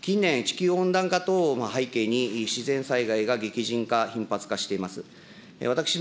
近年、地球温暖化等も背景に、自然災害が激甚化、頻発化しています。